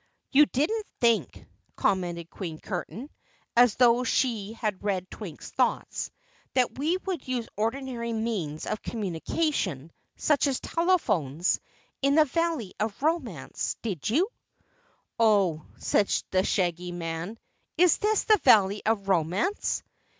"You didn't think," commented Queen Curtain, as though she had read Twink's thoughts, "that we would use ordinary means of communication, such as telephones, in the Valley of Romance, did you?" "Oh," said the Shaggy Man, "is this the Valley of Romance?"